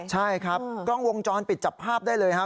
ใช่ครับกล้องวงจรปิดจับภาพได้เลยครับ